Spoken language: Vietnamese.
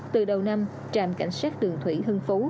từ đầu năm trạm cảnh sát đường thủy hưng phú